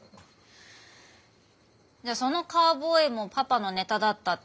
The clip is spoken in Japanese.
じゃそのカウボーイもパパのネタだったってこと？